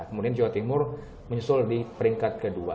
kemudian jawa timur menyusul di peringkat kedua